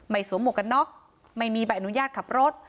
ไม่สวมกระน็อกไม่มีแบบอนุญาตขับรถ